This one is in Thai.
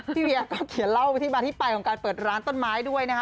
เวียก็เขียนเล่าไปที่มาที่ไปของการเปิดร้านต้นไม้ด้วยนะคะ